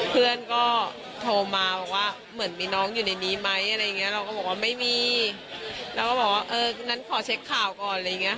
เพื่อนก็โทรมาว่าเหมือนมีน้องอยู่ในนี้ไหมเราก็บอกว่าไม่มีเราก็บอกว่านั้นขอเช็คข่าวก่อน